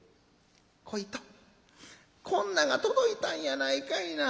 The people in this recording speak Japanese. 『小糸こんなんが届いたんやないかいな。